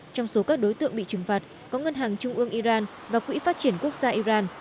trong số các đối tượng bị trừng phạt có ngân hàng trung ương iran và quỹ phát triển quốc gia iran